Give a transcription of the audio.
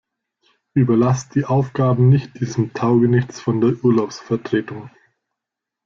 Überlasst die Aufgaben nicht diesem Taugenichts von der Urlaubsvertretung.